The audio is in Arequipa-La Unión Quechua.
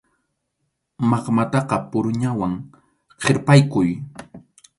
Maqmataqa puruñawan kirpaykuy.